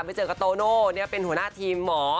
ไปเจอกับโตโน่เป็นหัวหน้าทีมหมอ